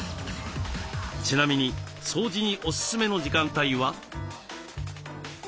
ちなみに掃除にオススメの時間帯は？